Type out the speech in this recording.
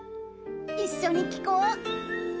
［一緒に聴こう！］